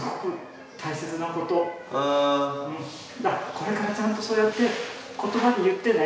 これからちゃんとそうやって言葉で言ってね。